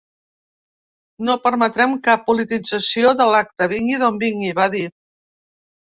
No permetrem cap politització de l’acte, vingui d’on vingui, va dir.